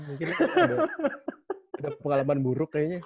mungkin ada pengalaman buruk kayaknya